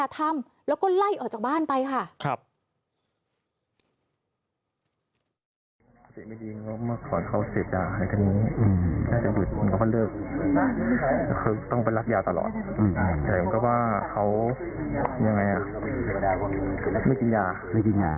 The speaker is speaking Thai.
แต่เขาไม่กินยา